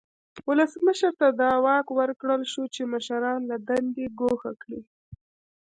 ولسمشر ته دا واک ورکړل شو چې مشران له دندې ګوښه کړي.